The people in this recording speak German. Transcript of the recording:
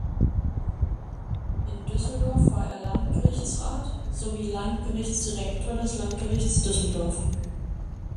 In Düsseldorf war er Landgerichtsrat sowie Landgerichtsdirektor des Landgerichts Düsseldorf.